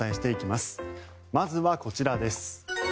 まずはこちらです。